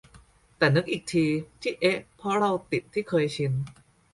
แต่นึกอีกที ที่เอ๊ะเพราะเราติดที่เคยชิน